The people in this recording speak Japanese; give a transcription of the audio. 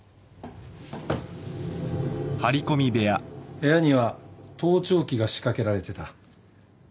部屋には盗聴器が仕掛けられてた。